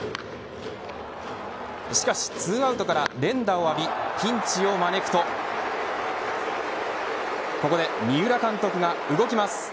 しかし、２アウトから連打を浴びピンチを招くとここで三浦監督が動きます。